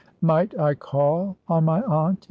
"Might I call on my aunt?"